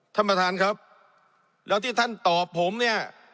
ท่านประธานครับแล้วที่ท่านตอบผมเนี่ย